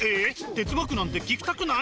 哲学なんて聞きたくない？